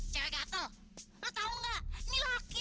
jadi gini kerjaan lo sabat hari